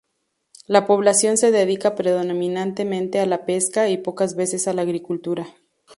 La población se dedica predominantemente a la pesca y pocas veces a la agricultura.